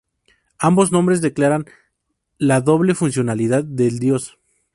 Ambos nombres declaran la doble funcionalidad del dios.